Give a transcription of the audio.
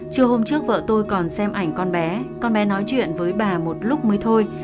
trưa hôm trước vợ tôi còn xem ảnh con bé con bé nói chuyện với bà một lúc mới thôi